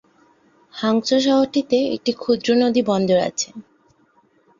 Hangzhou শহরটিতে একটি ক্ষুদ্র নদী বন্দর আছে।